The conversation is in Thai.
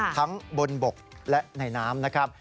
ทั้งบนบกและในน้ำนะครับ